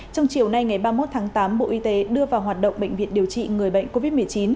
trong chiều nay ngày ba mươi một tháng tám bộ y tế đưa vào hoạt động bệnh viện điều trị người bệnh covid một mươi chín